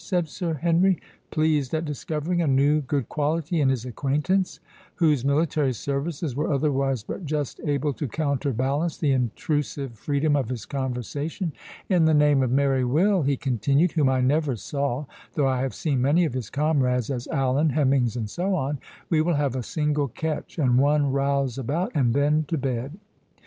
said Sir Henry, pleased at discovering a new good quality in his acquaintance, whose military services were otherwise but just able to counterbalance the intrusive freedom of his conversation. "In the name of merry Will," he continued,—"whom I never saw, though I have seen many of his comrades, as Alleyn, Hemmings, and so on,—we will have a single catch, and one rouse about, and then to bed."